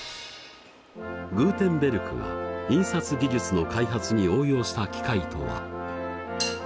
グーテンベルクが印刷技術の開発に応用した機械とは。